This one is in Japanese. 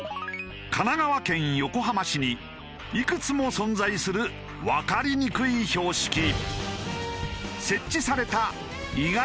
神奈川県横浜市にいくつも存在するわかりにくい標識。